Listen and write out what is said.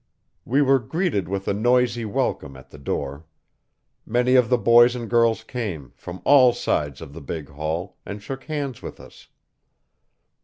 We were greeted with a noisy welcome, at the door. Many of the boys and girls came, from all sides of the big hall, and shook hands with us.